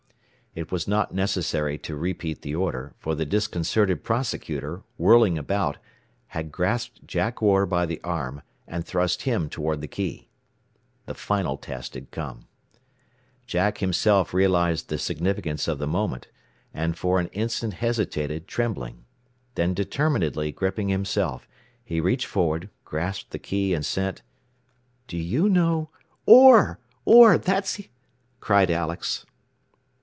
It was not necessary to repeat the order, for the disconcerted prosecutor, whirling about, had grasped Jack Orr by the arm and thrust him toward the key. [Illustration: "AND IT'S AWFULLY LIKE THE LIGHT, JUMPY SENDING OF A GIRL!"] The final test had come. Jack himself realized the significance of the moment, and for an instant hesitated, trembling. Then determinedly gripping himself he reached forward, grasped the key, and sent, "Do you know " "Orr! Orr! That's he!" cried Alex.